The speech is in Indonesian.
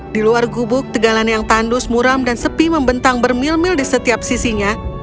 di luar gubuk tegalan yang tandus muram dan sepi membentang bermil mil di setiap sisinya